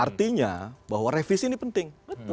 artinya bahwa revisi ini penting